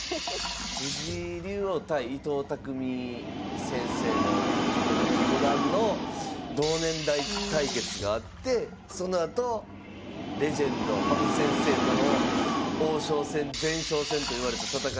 藤井竜王対伊藤匠先生の伊藤匠五段の同年代対決があってそのあとレジェンド羽生先生との王将戦前哨戦といわれた戦いがあって。